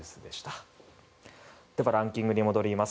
ランキングに戻ります。